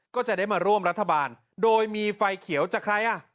ก็จะได้มาร่วมรัฐบาลโดยมีไฟเขียวจากใครอ่ะ